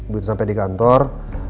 begitu sampai di kantor